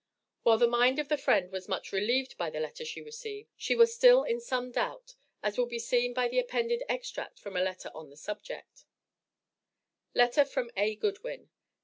While the mind of the friend was much relieved by the letter she received, she was still in some doubt, as will be seen by the appended extract from a letter on the subject: LETTER FROM A. GOODWIN.